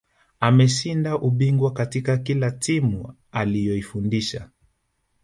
ameshinda ubingwa katika kila timu aliyoifundisha